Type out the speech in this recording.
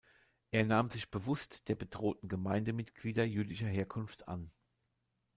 Er nahm sich bewusst der bedrohten Gemeindeglieder jüdischer Herkunft an.